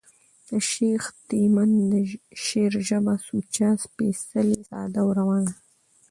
د شېخ تیمن د شعر ژبه سوچه، سپېڅلې، ساده او روانه ده.